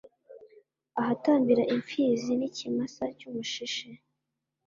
ahatambira impfizi n’ikimasa cy’umushishe.